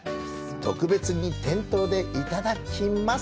特別に店頭でいただきます。